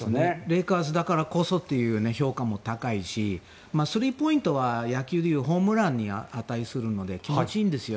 レイカーズだからこそという評価も高いしスリーポイントは野球でいうホームランに値するので気持ちいいんですよ。